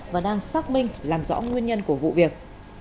và đang xác minh làm rõ nguyên nhân của vụ việc